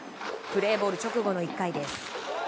プレーボール直後の１回です。